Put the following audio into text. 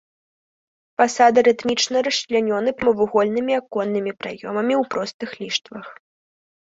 Фасады рытмічна расчлянёны прамавугольнымі аконнымі праёмамі ў простых ліштвах.